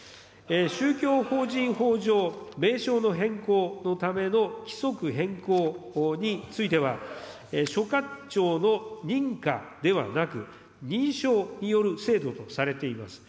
宗教法人法上、名称の変更のための規則変更については、所轄庁の認可ではなく、認証による制度とされています。